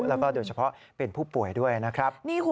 แล้วก็โดยเฉพาะเป็นผู้ป่วยด้วยนะครับ